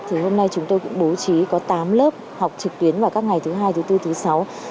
thì hôm nay chúng tôi cũng bố trí có tám lớp học trực tuyến vào các ngày thứ hai thứ bốn thứ sáu